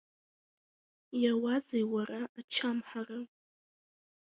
Иауазеи, уара, Ачамҳара?